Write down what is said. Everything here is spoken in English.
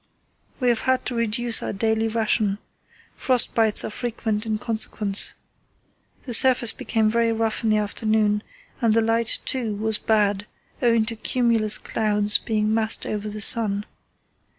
We have had to reduce our daily ration. Frost bites are frequent in consequence. The surface became very rough in the afternoon, and the light, too, was bad owing to cumulus clouds being massed over the sun.